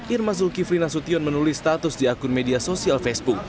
irma zulkifri nasution menulis status di akun media sosial facebook